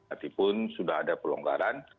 apapun sudah ada pelonggaran